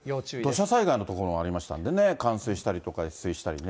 土砂災害の所もありましたんでね、冠水したりとか、越水したりね。